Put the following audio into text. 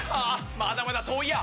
まだまだ遠いや。